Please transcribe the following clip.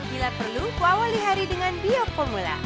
bila perlu kuawalihari dengan bioformula